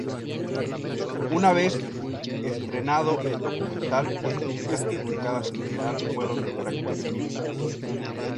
Una vez estrenado el documental, las críticas publicadas en general fueron de carácter mixtas.